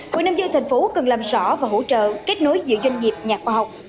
hội nông dân thành phố cần làm rõ và hỗ trợ kết nối giữa doanh nghiệp nhà khoa học